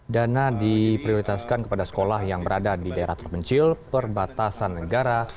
dana diprioritaskan kepada sekolah yang berada di daerah terpencil perbatasan negara